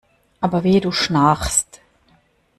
Aber wehe du schnarchst!